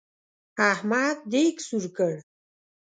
احمد دېګ سور کړ.